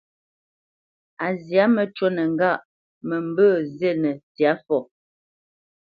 A zyâ məcûnə ŋgâʼ: mə mbə̄ zînə ntsyâ fɔ.